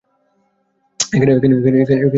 এখানে আমরা আছি।